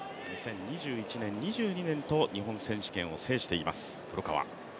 ２０２１年、２２年と日本選手権を制しています黒川。